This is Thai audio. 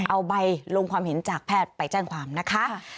เอาใบลงความเห็นจากแพทย์ไปแจ้งความนะคะ